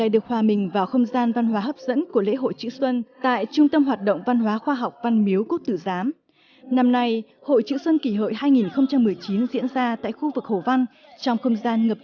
để vào viết chữ tải hồ văn phục vụ cho công chúng